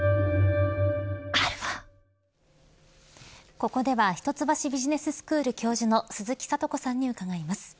ここでは一橋ビジネススクール教授の鈴木智子さんに伺います。